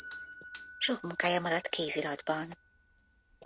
Sok munkája maradt kéziratban.